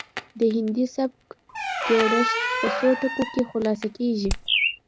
د هندي سبک جوړښت په څو ټکو کې خلاصه کیږي